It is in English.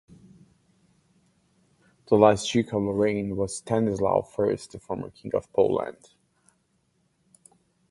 The last duke of Lorraine was Stanislaus I, the former king of Poland.